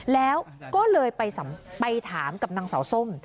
แล้วก็เลยไปถามกับนางสาวส้ม